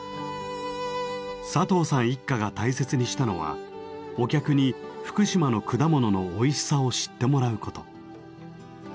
佐藤さん一家が大切にしたのはお客に福島の果物のおいしさを知ってもらうこと。